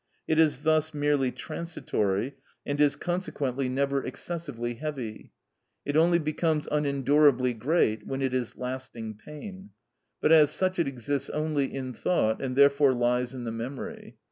It is thus merely transitory, and is consequently never excessively heavy; it only becomes unendurably great when it is lasting pain; but as such it exists only in thought, and therefore lies in the memory.